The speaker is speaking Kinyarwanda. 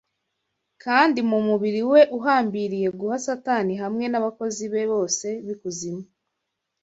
Kandi mumubiri we uhambiriye guha satani hamwe nabakozi be bose b'ikuzimu